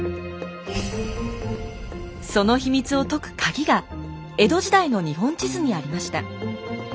その秘密を解くカギが江戸時代の日本地図にありました。